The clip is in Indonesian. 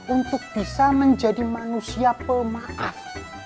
untuk bisa menjadi manusia pemaaf